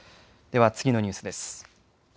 では次のニュースです。